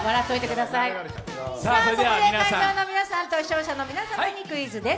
ここで会場の皆さんと視聴者の皆様にクイズです。